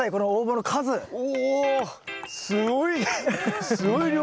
おすごい！